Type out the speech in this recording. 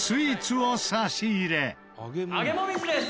「揚げもみじです。